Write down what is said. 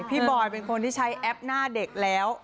บอยเป็นคนที่ใช้แอปหน้าเด็กแล้ว